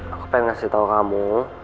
aku pengen kasih tau kamu